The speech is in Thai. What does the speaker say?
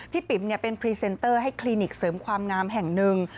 ปิ๋มเป็นพรีเซนเตอร์ให้คลินิกเสริมความงามแห่งหนึ่ง